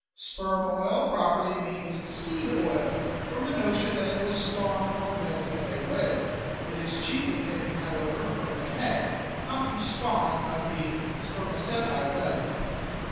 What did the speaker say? Sperm oil properly means "seed oil," from the notion that it was spawn or milt of a whale. It is chiefly taken, however, from the head, not the spawn of the "spermaceti" whale.